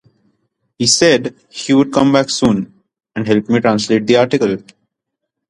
He said he would come back soon and help me translate the article.